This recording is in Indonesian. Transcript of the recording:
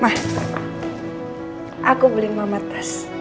aku beli mama tas